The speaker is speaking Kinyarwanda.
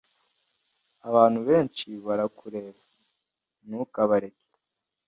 Abantu benshi barakureba. Ntukabareke.